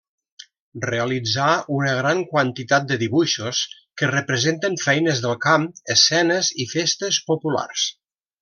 Realitzà una gran quantitat de dibuixos que representen feines del camp, escenes i festes populars.